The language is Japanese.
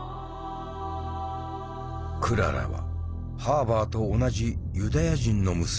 クララはハーバーと同じユダヤ人の娘だった。